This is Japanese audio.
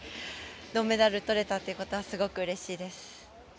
銅メダルとれたっていうことはすごくうれしいです。